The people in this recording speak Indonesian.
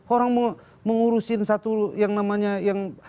orang mengurusin satu yang namanya yang